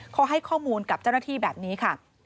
เขาให้ข้อมูลกับเจ้าหน้าที่แบบนี้ค่ะ